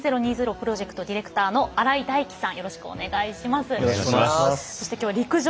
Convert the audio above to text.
プロジェクトディレクターの新井大基さん。